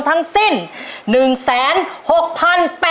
ขอบคุณครับ